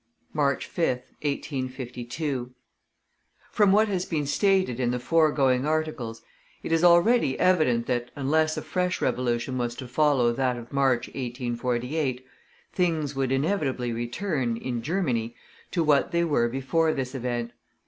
MARCH 5th, 1852. From what has been stated in the foregoing articles, it is already evident that unless a fresh revolution was to follow that of March, 1848, things would inevitably return, in Germany, to what they were before this event.